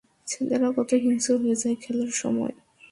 ছেলেরা কত হিংস্র হয়ে যায় খেলার সময়।